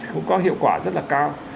cũng có hiệu quả rất là cao